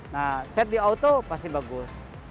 nah set di auto pasti bagus